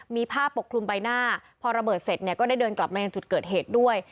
มีผ้าปกคลุมใบหน้าพอระเบิดเสร็จเนี่ยก็ได้เดินกลับมายังจุดเกิดเหตุด้วย